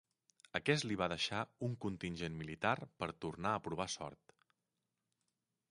Aquest li va deixar un contingent militar per tornar a provar sort.